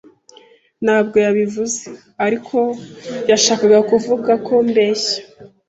Ntabwo yabivuze, ariko yashakaga kuvuga ko mbeshya.